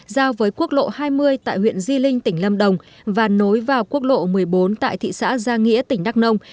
giao với quốc lộ hai mươi tại huyện di linh tỉnh lâm đồng và nối vào quốc lộ một mươi bốn tại thị xã gia nghĩa tỉnh đắk nông